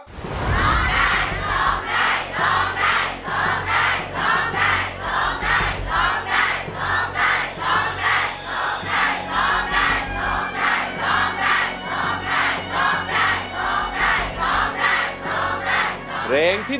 ร้องได้ร้องได้ร้องได้